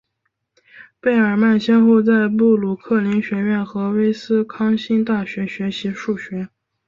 贝尔曼先后在布鲁克林学院和威斯康星大学学习数学。